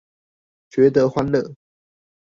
覺得歡樂